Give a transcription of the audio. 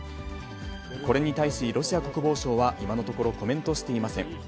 これに対し、ロシア国防省は今のところ、コメントしていません。